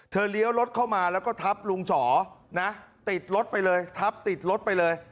เลี้ยวรถเข้ามาแล้วก็ทับลุงฉอนะติดรถไปเลยทับติดรถไปเลย